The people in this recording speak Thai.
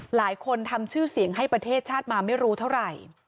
หลายคนทำชื่อเสียงให้ประเทศชาติมาไม่รู้เท่าไหร่